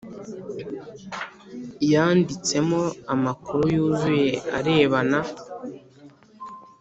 yandikemo amakuru yuzuye arebana